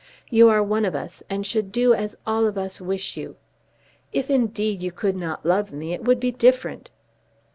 You are one of us, and should do as all of us wish you. If, indeed, you could not love me it would be different.